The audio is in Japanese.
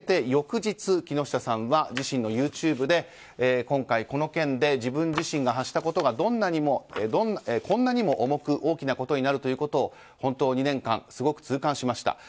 これを受けて翌日、木下さんは自身のＹｏｕＴｕｂｅで今回この件で自分自身が発したことがこんなにも重く大きなことになるということを本当に２年間すごく痛感しました。